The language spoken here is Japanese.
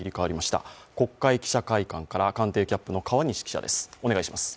国会記者会館から官邸キャップの川西記者です。